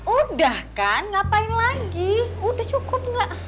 udah kan ngapain lagi udah cukup gak